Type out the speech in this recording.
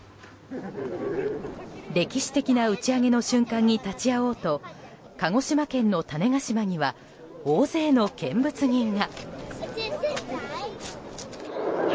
歴史的な打ち上げの瞬間に立ち会おうと鹿児島県の種子島には大勢の見物人が。